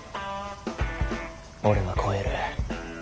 俺は超える。